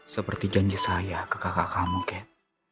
seperti janji saya ke kakak kamu ket